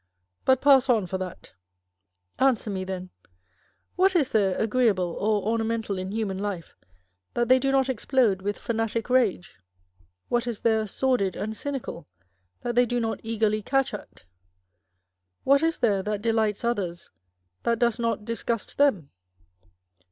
But pass on for that. Answer me, then â€" What is there agreeable or ornamental in human life that they do not explode with fanatic rage ? What is there sordid and cynical that they do not eagerly catch at ? What is there that delights others that does not disgust them